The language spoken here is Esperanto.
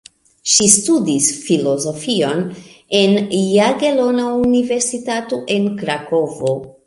Ŝi studis filozofion en Jagelona Universitato en Krakovo.